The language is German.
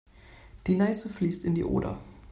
Die Neiße fließt in die Oder.